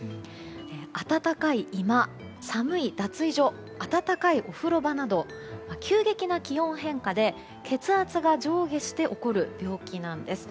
暖かい居間、寒い脱衣所暖かいお風呂場など急激な気温変化で血圧が上下して起こる病気なんです。